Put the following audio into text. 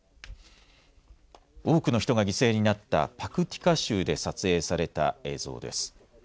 多くの人が犠牲になったパクティカ州で撮影された映像です。